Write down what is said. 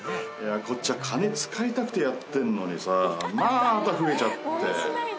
こっちは金使いたくてやってんのにさまた増えちゃって。